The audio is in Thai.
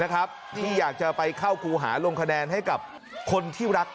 ที่อยากจะไปเข้าครูหาลงคะแนนให้กับคนที่รัก